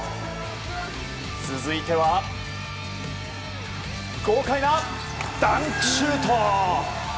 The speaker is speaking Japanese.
続いては、豪快なダンクシュート。